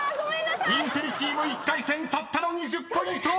［インテリチーム１回戦たったの２０ポイント！］